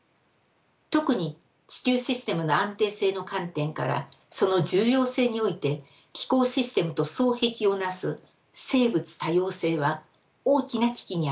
特に地球システムの安定性の観点からその重要性において気候システムと双璧を成す生物多様性は大きな危機にあります。